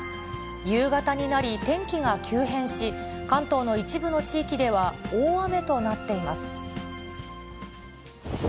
夕方になり、天気が急変し、関東の一部の地域では、大雨となっています。